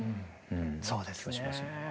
そうですね。